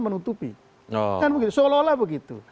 menutupi seolah olah begitu